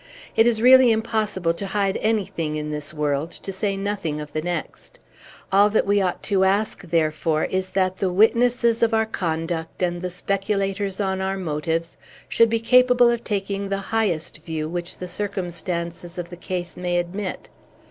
"It is really impossible to hide anything in this world, to say nothing of the next. All that we ought to ask, therefore, is, that the witnesses of our conduct, and the speculators on our motives, should be capable of taking the highest view which the circumstances of the case may admit.